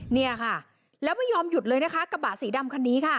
เนี่ยค่ะแล้วไม่ยอมหยุดเลยนะคะกระบะสีดำคันนี้ค่ะ